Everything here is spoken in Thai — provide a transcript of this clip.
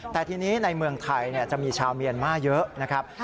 แต่ทีนี้ในเมืองไทยจะมีชาวเมียนมาเยอะนะครับ